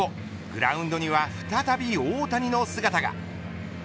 グラウンドには再び大谷の姿が。